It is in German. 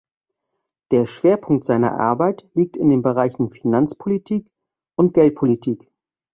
Der Schwerpunkt seiner Arbeit liegt in den Bereichen Finanzpolitik und Geldpolitik.